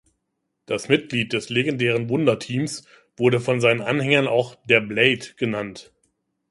Das Mitglied des legendären Wunderteams wurde von seinen Anhängern auch „der Blade“ genannt.